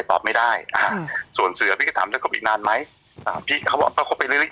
ตอบไม่ได้อ่าส่วนเสือพี่ก็ถามเรื่องคบอีกนานไหมอ่าพี่เขาบอกก็คบไปเรื่อยเล็ก